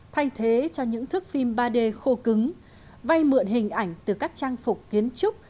thay thế cho những thức phim ba d khô cứng vay mượn hình ảnh từ các trang phục kiến trúc